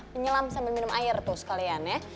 penyelam sambil minum air tuh sekalian ya